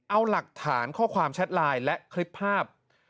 เอาหลักฐานข้อความแชทไลน์และคลิปภาพ